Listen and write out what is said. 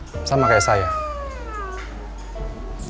pengen selalu berada dekat reina terus